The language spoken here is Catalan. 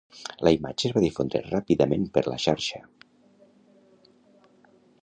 La imatge es va difondre ràpidament per la xarxa.